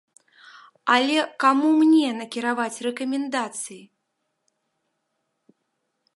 Але каму мне накіраваць рэкамендацыі?